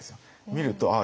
見るとああ